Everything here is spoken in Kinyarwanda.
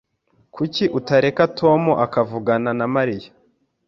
Kuki utareka Tom akavugana na Mariya?